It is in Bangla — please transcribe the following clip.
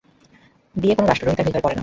বিয়ে কোন রাষ্ট্রদ্রোহিতা ভিতরে পড়ে না।